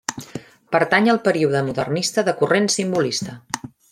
Pertany al període modernista de corrent simbolista.